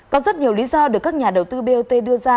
có rất nhiều lý do được các nhà đầu tư bot đưa ra